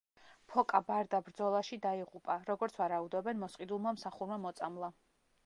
ფოკა ბარდა ბრძოლაში დაიღუპა, როგორც ვარაუდობენ, მოსყიდულმა მსახურმა მოწამლა.